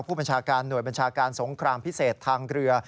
ผู้บัญชาการหน่วยบัญชาการสงครามพิเศษทางเรือ